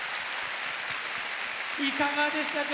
いかがでしたか？